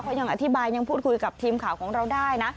เขายังอธิบายยังพูดคุยกับทีมข่าวของเราได้นะ